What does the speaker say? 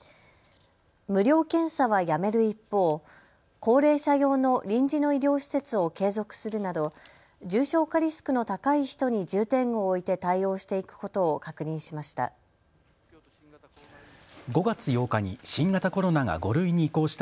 無料検査はやめる一方、高齢者用の臨時の医療施設を継続するなど重症化リスクの高い人に重点を置いて対応していくことを確認しました。